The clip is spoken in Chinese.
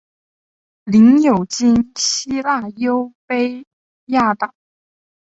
领有今希腊优卑亚岛。